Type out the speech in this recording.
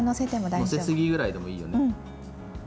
載せすぎぐらいでもいいね。